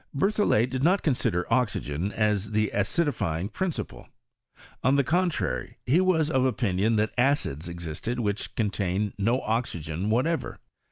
Berthollet did not consider oxygen as tlie acidifying principle. On the contrary, he was of opinion that acids ex isted which contained no oxygen whatever.